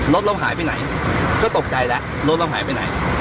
รถเราหายไปไหนก็ตกใจแล้วรถเราหายไปไหน